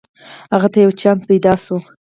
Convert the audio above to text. هغه ته یو چانس پیداشو